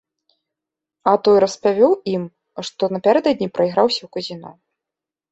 А той распавёў ім, што напярэдадні прайграўся ў казіно.